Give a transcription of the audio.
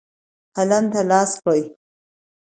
قلم ته لاس کړئ.